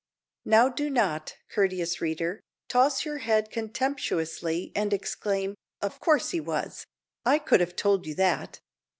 Now do not, courteous reader, toss your head contemptuously, and exclaim, "Of course he was; I could have told you that."